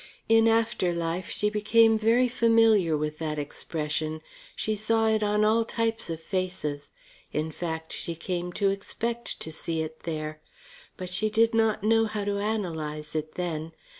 In after life she became very familiar with that expression; she saw it on all types of faces. In fact, she came to expect to see it there. But she did not know how to analyze it then.